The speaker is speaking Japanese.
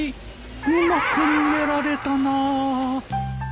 うまく逃げられたな。